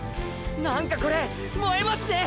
何かこれ燃えますね！！